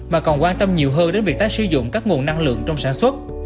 mà còn quan tâm nhiều hơn đến việc tái sử dụng các nguồn năng lượng trong sản xuất